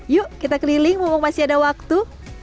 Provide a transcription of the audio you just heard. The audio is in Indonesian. yuk kita keliling mumpung masih ada waktu